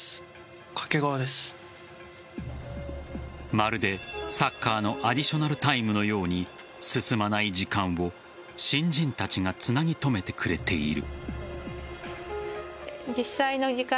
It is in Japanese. まるでサッカーのアディショナルタイムのように進まない時間を新人たちがつなぎ留めてくれている。